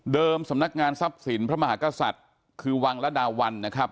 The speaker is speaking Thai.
สำนักงานทรัพย์สินพระมหากษัตริย์คือวังละดาวันนะครับ